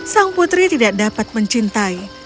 sang putri tidak dapat mencintai